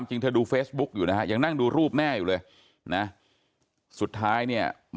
ไม่มี